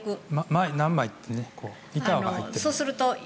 前に何枚って板が入っていて。